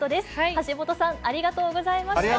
橋本さん、ありがとうございました。